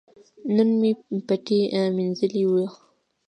نن مې پټی مینځلي وو.